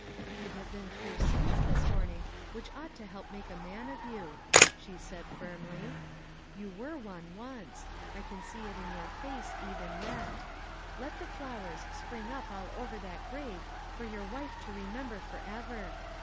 "You have been through scenes this morn ing which ought to help make a man of you," she said firmly. " You were one once. I can see it in your face, even }ret. Let the flowers spring up all over that grave for your wife to remember forever.